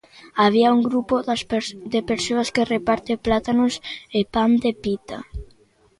Había un grupo de persoas que reparte plátanos e pan de pita.